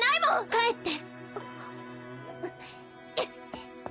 帰って